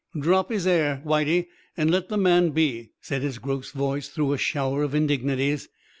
"Drop 'is 'air, Whitey, and let the man be," said his gross voice through a shower of indignities.